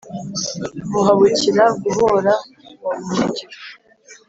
Muhabukira-guhora wa Buhungiro